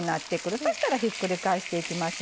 そしたらひっくり返していきますね。